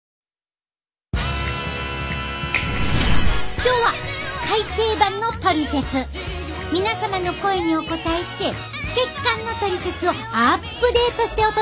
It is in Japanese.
今日は皆様の声にお応えして血管のトリセツをアップデートしてお届けします。